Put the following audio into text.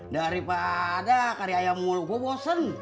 daripada kari ayam muluk gue bosen